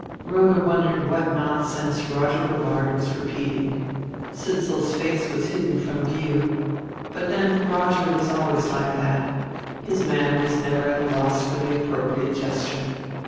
Rhoda wondered what nonsense Roger Brevard was repeating; Sidsall's face was hidden from view. But then Roger was always like that, his manner was never at a loss for the appropriate gesture.